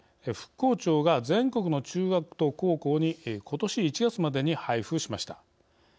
復興庁が全国の中学と高校にことし１月までに配布しました。